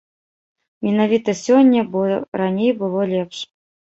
Менавіта сёння, бо раней было лепш.